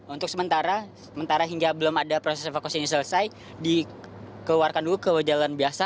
untuk sementara sementara hingga belum ada proses evakuasi ini selesai dikeluarkan dulu ke jalan biasa